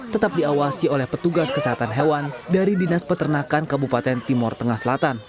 tetap diawasi oleh petugas kesehatan hewan dari dinas peternakan kabupaten timur tengah selatan